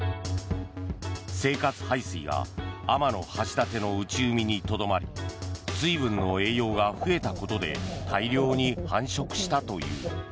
生活排水が天橋立の内海にとどまり水分の栄養が増えたことで大量に繁殖したという。